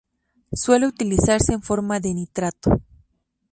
Suele utilizarse en forma de nitrato.